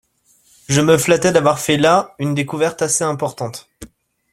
Je me flattais d'avoir fait la une découverte assez importante.